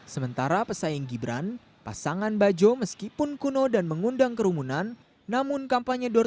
sementara pesaing gibran pasangan bajo meskipun kuno dan mengundang kerumunan namun kampanye door